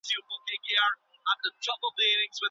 که په ګروپ کي شخړه وي نو د زده کړي مخه نیسي.